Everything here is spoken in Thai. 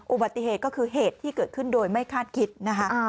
อุบัติเหตุก็คือเหตุที่เกิดขึ้นโดยไม่คาดคิดนะคะ